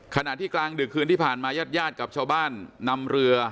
ขณะที่กลางดึกคืนที่ผ่านมาญาติญาติกับชาวบ้านนำเรือ